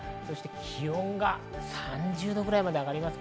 気温が３０度くらいまで上がります。